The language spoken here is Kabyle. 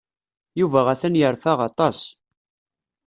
Yuba atan yerfa aṭas.